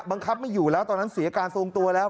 บังคับไม่อยู่แล้วตอนนั้นเสียการทรงตัวแล้ว